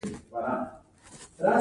یوازې د آزادو خلکو یو معلوم قشر برخمن و.